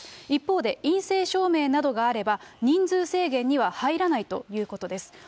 一方で陰性証明などがあれば、人数制限には入らないということです。